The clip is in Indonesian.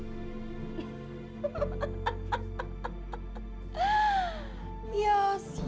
tapi dia nak dia